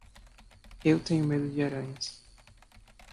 Eu tenho medo de aranhas.